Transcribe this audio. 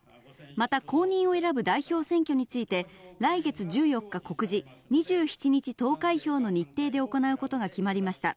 また後任を選ぶ代表選挙について、来月１４日告示、２７日投開票の日程で行うことが決まりました。